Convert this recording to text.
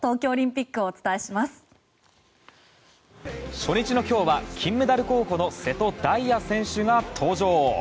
初日の今日は金メダル候補の瀬戸大也選手が登場。